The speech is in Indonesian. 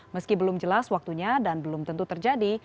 meski belum jelas waktunya dan belum tentu terjadi